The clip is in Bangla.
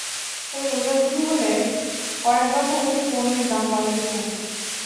তবে রোজা শুরু হলে কয়েক দফা এসব পণ্যের দাম বাড়তেই থাকবে।